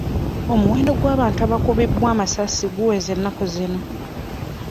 Omuwendo gw'abantu abakubiddwa amasasi guweze ennaku zino.